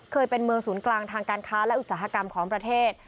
เคยเป็นเมืองศูนย์กลางทางการค้าและอุตสาหกรรมของประเทศ